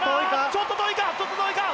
ちょっと遠いか。